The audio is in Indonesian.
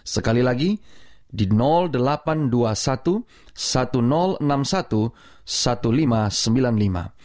sekali lagi di delapan ratus dua puluh satu satu enam puluh satu satu lima ratus sembilan puluh lima